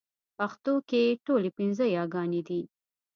پښتو کې ټولې پنځه يېګانې دي